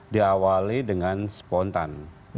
diawali dengan spontan